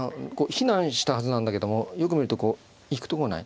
避難したはずなんだけどもよく見ると行くとこがない。